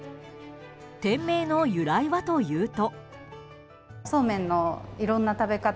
店名の由来はというと？